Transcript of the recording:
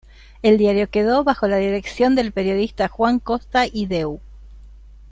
El diario quedó bajo la dirección del periodista Juan Costa y Deu.